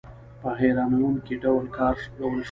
په هیرانوونکې ډول کارول شوي.